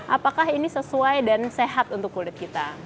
apakah ini sesuai dan sehat untuk kulit kita